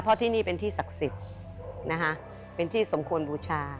เพราะที่นี่เป็นที่ศักดิ์สิทธิ์นะคะเป็นที่สมควรบูชา